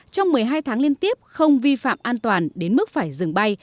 trong một mươi hai tháng liên tiếp không vi phạm an toàn đến mức phải dừng bay